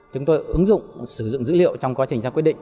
chúng tôi ứng dụng sử dụng dữ liệu trong quá trình ra quyết định